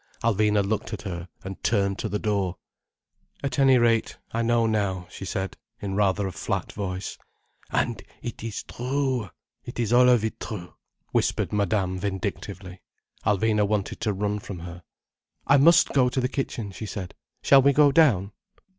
Alvina looked at her, and turned to the door. "At any rate I know now," she said, in rather a flat voice. "And it is true. It is all of it true," whispered Madame vindictively. Alvina wanted to run from her. "I must go to the kitchen," she said. "Shall we go down?"